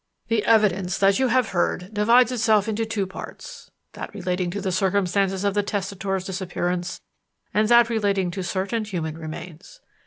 "The evidence that you have heard divides itself into two parts that relating to the circumstances of the testator's disappearance, and that relating to certain human remains.